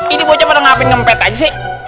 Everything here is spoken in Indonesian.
ini bocah pada ngapain ngempet aja sih